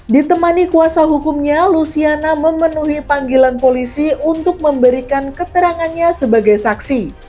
ditemani kuasa hukumnya luciana memenuhi panggilan polisi untuk memberikan keterangannya sebagai saksi